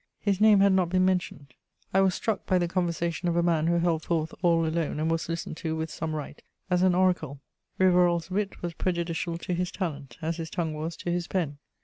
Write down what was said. His name had not been mentioned; I was struck by the conversation of a man who held forth all alone and was listened to, with some right, as an oracle. Rivarol's wit was prejudicial to his talent, as his tongue was to his pen.